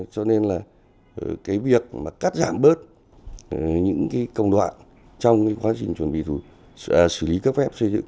cho nên là cái việc mà cắt giảm bớt những cái công đoạn trong cái quá trình chuẩn bị xử lý cấp phép xây dựng